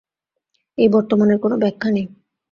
এই বর্তমানের কোনো ব্যাখ্যা নেই।